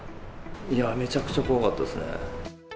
いやー、めちゃくちゃ怖かったですね。